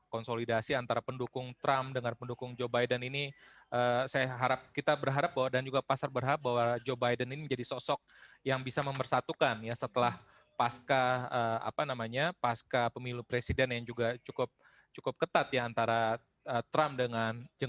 konsolidasi antara pendukung trump dengan pendukung joe biden ini kita berharap bahwa dan juga pasar berharap bahwa joe biden ini menjadi sosok yang bisa mempersatukan ya setelah pasca apa namanya pasca pemilu presiden yang juga cukup ketat ya antara trump dengan jepang